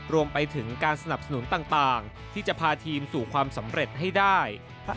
รวมไปถึงการสนับสนุนต่างที่จะพาทีมสู่ความสำเร็จให้ได้